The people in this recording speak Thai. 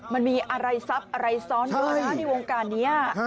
มันมีอะไรทรัพย์อะไรซ้อนเวลาในวงการนี้